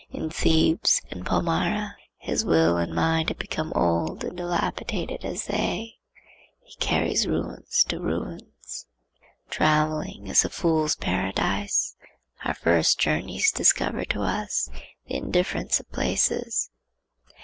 In Thebes, in Palmyra, his will and mind have become old and dilapidated as they. He carries ruins to ruins. Travelling is a fool's paradise. Our first journeys discover to us the indifference of places.